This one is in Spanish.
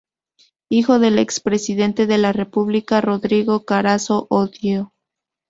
Hijo del expresidente de la República, Rodrigo Carazo Odio.